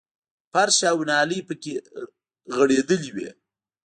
فرش او نالۍ پکې غړېدلې وې.